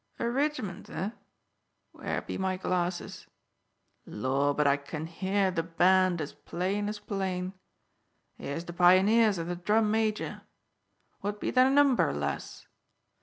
"A ridgment, eh? Where be my glasses? Lor, but I can hear the band, as plain as plain! Here's the pioneers an' the drum major! What be their number, lass?"